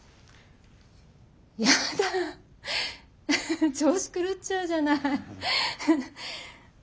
やだ調子狂っちゃうじゃない。